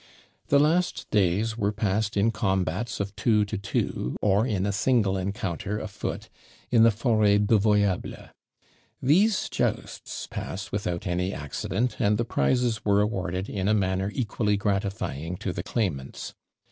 The last days were passed in combats of two to two, or in a single encounter, a foot, in the forêt devoyable. These jousts passed without any accident, and the prizes were awarded in a manner equally gratifying to the claimants.